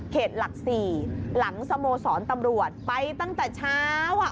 หลัก๔หลังสโมสรตำรวจไปตั้งแต่เช้าอ่ะ